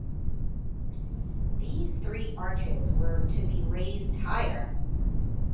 These three arches were to be raised higher.